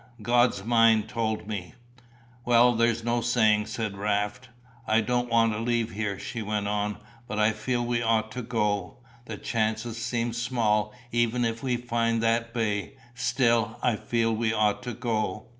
God's mind told me." "Well, there's no saying," said Raft. "I don't want to leave here," she went on, "but I feel we ought to go. The chances seem small, even if we find that bay; still, I feel we ought to go."